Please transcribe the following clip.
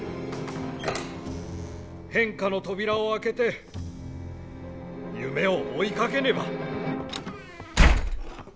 変化の扉を開けて夢を追いかけねば。